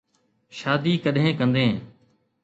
شادي ڪڏھن ڪندين؟